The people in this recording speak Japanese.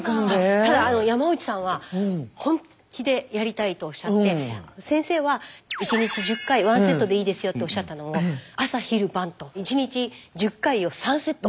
ただ山内さんは「本気でやりたい」とおっしゃって先生は「１日１０回ワンセットでいいですよ」っておっしゃったのを朝昼晩と１日１０回を３セット。